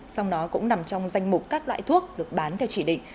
sau đó cũng nằm trong danh mục các loại thuốc được bán theo chỉ định